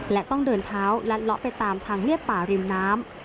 และต้องเดินเท้าลัดเลาะไปตามทางเรียบป่าริมน้ำ